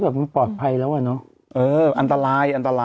แบบมันปลอดภัยแล้วอ่ะเนาะ